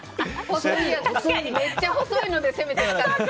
めっちゃ細いので攻めてました。